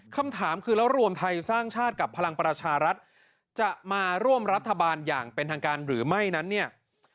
คำถามคือแล้วรวมไทยสร้างชาติกับพลังประชารัฐจะมาร่วมรัฐบาลอย่างเป็นทางการหรือไม่นั้นเนี่ย